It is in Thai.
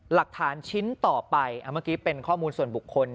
หลักฐานชิ้นต่อไปเมื่อกี้เป็นข้อมูลส่วนบุคคล